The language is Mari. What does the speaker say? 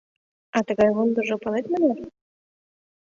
А тыгай вондыжо палет мыняр?